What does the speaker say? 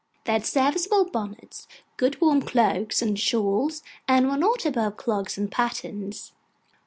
They had serviceable bonnets, good warm cloaks, and shawls; and were not above clogs and pattens.